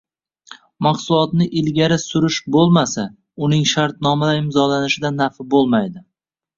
mahsulotni ilgari surish bo‘lmasa uning shartnomalar imzolanishida nafi bo‘lmaydi.